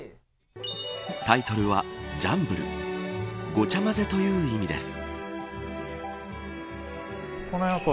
タイトルは、ＪＵＭＢＬＥごちゃまぜという意味です。